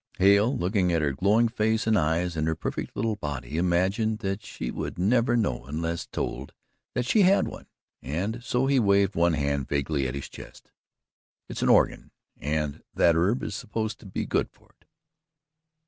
Hale, looking at her glowing face and eyes and her perfect little body, imagined that she would never know unless told that she had one, and so he waved one hand vaguely at his chest: "It's an organ and that herb is supposed to be good for it."